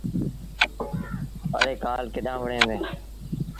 اَڙي ڪآل ڪيڏآن وُهڙيٚن هُݩديٚݩ۔